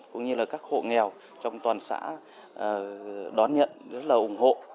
cũng như là các hộ nghèo trong toàn xã đón nhận rất là ủng hộ